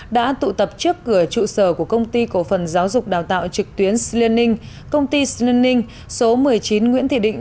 đã tụ tập trước cửa trụ sở của công ty cổ phần giáo dục đào tạo trực tuyến slinning công ty slinning số một mươi chín nguyễn thị định